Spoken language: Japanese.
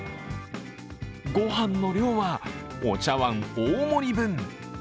御飯の量はお茶わん大盛り分。